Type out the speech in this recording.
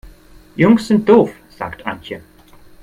Jungs sind doof, sagt Antje.